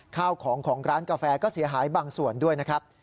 ข้าวของของร้านกาแฟก็เสียหายบางส่วนด้วยนะครับ